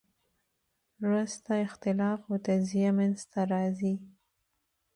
وروسته اختلاف او تجزیه منځ ته راځي.